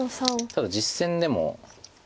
ただ実戦でも。